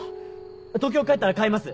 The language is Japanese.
東京帰ったら買います！